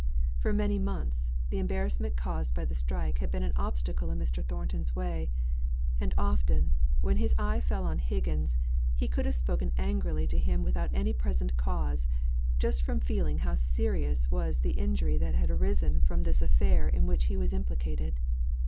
For many months, the embarrassment caused by the strike had been an obstacle in Mr. Thornton's way; and often, when his eye fell on Higgins, he could have spoken angrily to him without any present cause, just from feeling how serious was the injury that had arisen from this affair in which he was implicated.